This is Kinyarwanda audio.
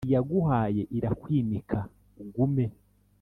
Iyaguhaye irakwimika ugume,